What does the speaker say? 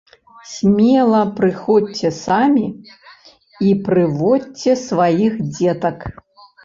Смела прыходзьце самі і прыводзьце сваіх дзетак!